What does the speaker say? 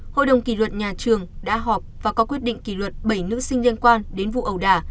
hội đồng kỷ luật nhà trường đã họp và có quyết định kỷ luật bảy nữ sinh liên quan đến vụ ẩu đà